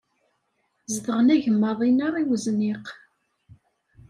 Zedɣen agemmaḍ-inna i wezniq.